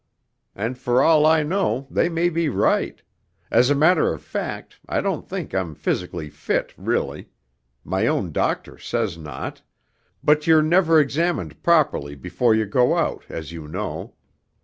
And for all I know they may be right.... As a matter of fact, I don't think I'm physically fit, really ... my own doctor says not ... but you're never examined properly before you go out, as you know....